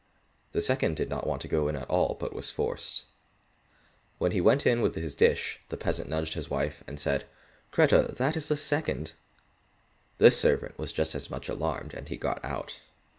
The second did not want to go in at all, but was forced. So when he went in with his dish, the peasant nudged his wife, and said, "Grethe, that is the second." This servant was just as much alarmed, and he got out.